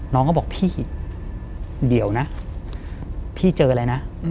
น้องก็บอกพี่เดี๋ยวนะพี่เจออะไรนะ